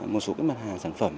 một số cái mặt hàng sản phẩm